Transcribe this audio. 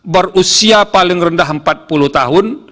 berusia paling rendah empat puluh tahun